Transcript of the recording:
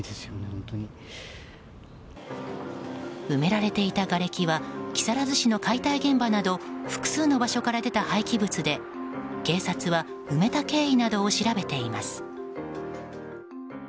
埋められていたがれきは木更津市の解体現場など複数の場所から出た廃棄物で警察は埋めた経緯などを調べています。